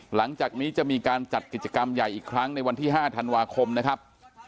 หลังจากนี้จะมีการจัดกิจกรรมใหญ่อีกครั้งในวันที่๕ธันวาคมนะครับ